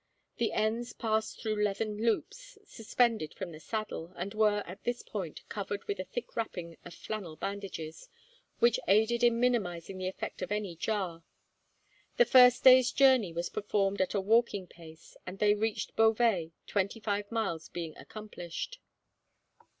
The ends passed through leathern loops suspended from the saddle; and were, at this point, covered with a thick wrapping of flannel bandages, which aided in minimizing the effect of any jar. The first day's journey was performed at a walking pace, and they reached Beauvais, twenty five miles being accomplished.